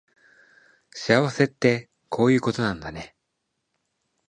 幸せってこういうことなんだね